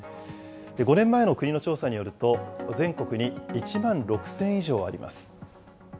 ５年前の国の調査によると、全国に１万６０００以上あります。